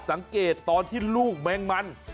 สังเกตตอนที่ลูกแมงมัน